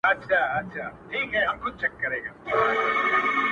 موږ په تيارو كي اوسېدلي يو تيارې خوښـوو;